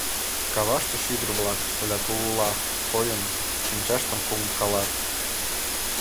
Каваште шӱдыр-влак, колятулла койын, шинчаштым кумкалат.